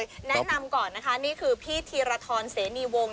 อยากให้สำเร็จแนะนำก่อนนะคะนี่คือพี่ทิระทอนเสนีวงค์